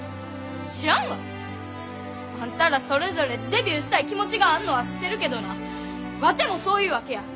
知らんわ！あんたらそれぞれデビューしたい気持ちがあんのは知ってるけどなワテもそういうわけや！